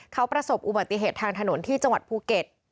เขาประสบอุบัติเหตุทางถนนที่จังหวัดภูเก็ต